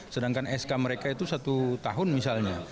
sedangkan sk mereka itu satu tahun misalnya